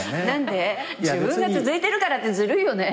自分が続いてるからってずるいよね。